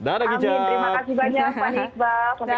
amin terima kasih banyak pak nikbal